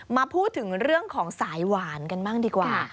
มาพูดถึงเรื่องของสายหวานกันบ้างดีกว่า